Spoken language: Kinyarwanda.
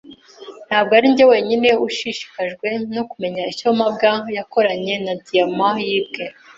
Ntabwo arinjye wenyine ushishikajwe no kumenya icyo mabwa yakoranye na diyama yibwe.